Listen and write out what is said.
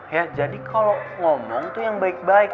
ya jadi kalo ngomong tuh yang baik baik